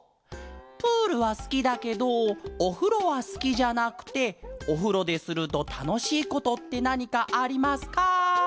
「プールはすきだけどおふろはすきじゃなくておふろでするとたのしいことってなにかありますか？」。